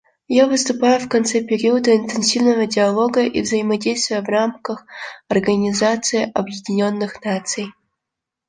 Я выступаю в конце периода интенсивного диалога и взаимодействия в рамках Организации Объединенных Наций.